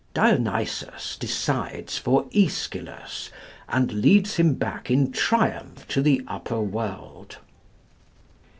Dionysus decides for Æschylus, and leads him back in triumph to the upper world.